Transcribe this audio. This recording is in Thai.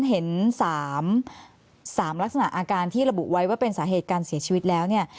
เห็น๓ลักษณะอาการที่ระบุไว้ว่าเป็นสาเหตุการเสียชีวิตแล้วเนี่ย